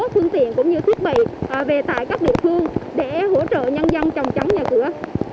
thương tiện cũng như thiết bị về tại các địa phương để hỗ trợ nhân dân trang chống nhà cửa